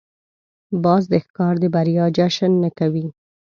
باز د ښکار د بریا جشن نه کوي